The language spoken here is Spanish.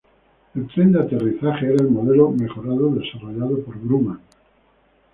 El tren de aterrizaje era el modelo mejorado desarrollado por Grumman.